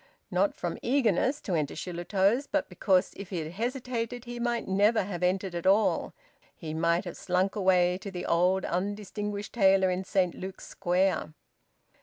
Not from eagerness to enter Shillitoe's, but because if he had hesitated he might never have entered at all: he might have slunk away to the old undistinguished tailor in Saint Luke's Square.